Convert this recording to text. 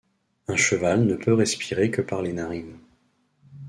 Un cheval ne peut respirer que par les narines.